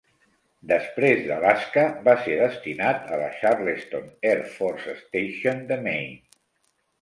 Després d'Alaska, va ser destinat a la Charleston Air Force Station de Maine.